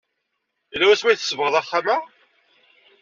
Yella wasmi ay tsebɣeḍ axxam-a?